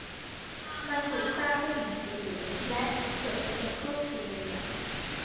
มันถูกสร้างด้วยหินสีเหลือง และเกือบจะเป็นรูปสี่เหลี่ยม